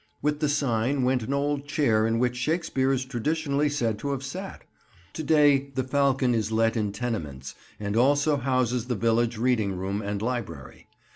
With the sign went an old chair in which Shakespeare is traditionally said to have sat. To day the "Falcon" is let in tenements, and also houses the village reading room and library.